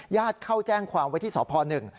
เข้าแจ้งความไว้ที่สพหนึ่ง